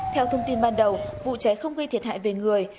theo thông tin ban đầu vụ cháy không gây thiệt hại về người